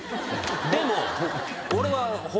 でも。